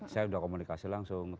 saya sudah komunikasi langsung